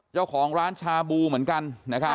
เจ้าของร้านชาบูเหมือนกัน